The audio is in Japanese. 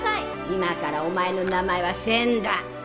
今からお前の名前は千だ。